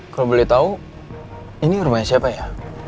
kalau boleh tahu ini rumahnya siapa ya